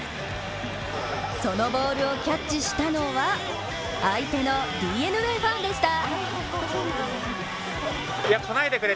そのボールをキャッチしたのは相手のＤｅＮＡファンでした。